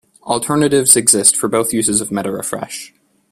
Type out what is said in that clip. Alternatives exist for both uses of meta refresh.